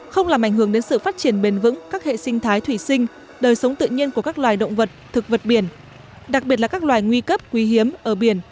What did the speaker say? không làm ảnh hưởng đến sự phát triển bền vững các hệ sinh thái thủy sinh đời sống tự nhiên của các loài động vật thực vật biển đặc biệt là các loài nguy cấp quý hiếm ở biển